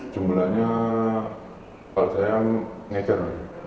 jumlahnya kalau saya ngejar